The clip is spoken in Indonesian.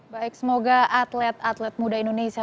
baik semoga atlet atlet muda indonesia